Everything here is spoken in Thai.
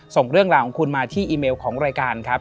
ส่งเรื่องราวของคุณมาที่อีเมลของรายการครับ